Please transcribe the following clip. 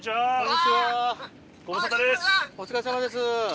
どうもお疲れさまです。